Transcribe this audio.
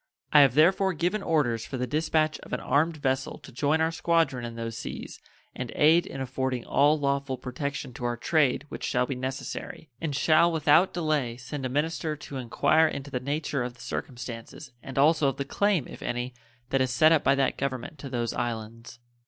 I have therefore given orders for the dispatch of an armed vessel to join our squadron in those seas and aid in affording all lawful protection to our trade which shall be necessary, and shall without delay send a minister to inquire into the nature of the circumstances and also of the claim, if any, that is set up by that Government to those islands.